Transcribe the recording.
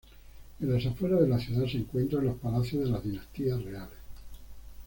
En las afueras de la ciudad se encuentran los palacios de las dinastías reales.